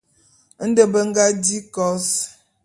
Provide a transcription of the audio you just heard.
Nde be nga di kos.